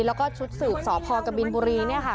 แล้วก็ชุดสืบสพกบินบุรีเนี่ยค่ะ